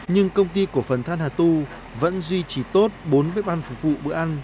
nhưng công ty cổ phần than hà tu vẫn duy trì tốt bốn bếp ăn phục vụ bữa ăn